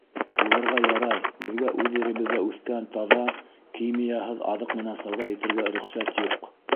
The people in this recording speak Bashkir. Уларға ярай, беҙгә үҙ еребеҙҙә үҫкән, таҙа, химияһыҙ аҙыҡ менән сауҙа итергә рөхсәт юҡ!